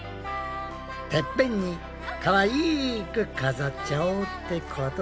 てっぺんにかわいく飾っちゃおうってことだな。